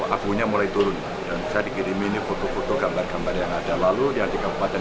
abunya mulai turun dan saya dikirimin foto foto gambar gambar yang ada lalu yang di kabupaten